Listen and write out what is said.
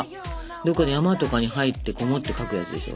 どっかの山とかに入ってこもって描くやつでしょ？